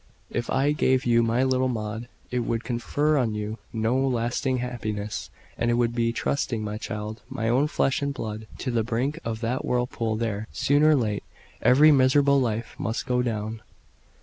If I gave you my little Maud, it would confer on you no lasting happiness, and it would be thrusting my child, my own flesh and blood, to the brink of that whirlpool where, soon or late, every miserable life must go down."